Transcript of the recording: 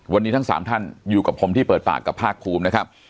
วันนี้ทั้ง๓ท่านอยู่กับผมที่เปิดปากกับภาคภูมินะครับ